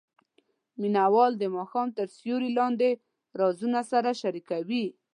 مینه وال د ماښام تر سیوري لاندې رازونه سره شریکوي.